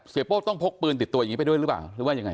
โป้ต้องพกปืนติดตัวอย่างนี้ไปด้วยหรือเปล่าหรือว่ายังไง